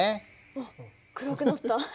あっ暗くなった。